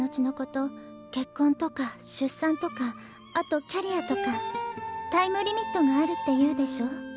結婚とか出産とかあとキャリアとかタイムリミットがあるっていうでしょ。